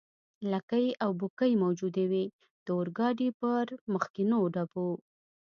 لکۍ او بوکۍ موجودې وې، د اورګاډي پر مخکنیو ډبو.